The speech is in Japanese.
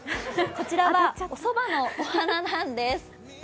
こちらは、おそばのお花なんです。